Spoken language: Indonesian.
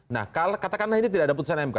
nah katakanlah ini tidak ada putusan mk